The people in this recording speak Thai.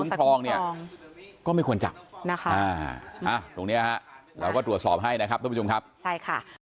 ก็ไม่ควรจับนะคะตรงเนี้ยฮะเราก็ตรวจสอบให้นะครับทุกผู้ชมครับใช่ค่ะ